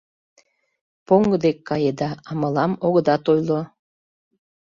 Поҥго дек каеда, а мылам огыдат ойло.